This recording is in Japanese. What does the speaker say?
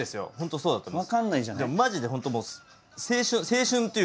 そうだと思います。